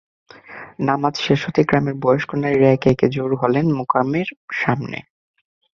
নামাজ শেষ হতেই গ্রামের বয়স্ক নারীরা একে একে জড়ো হলেন মুকামের সামনে।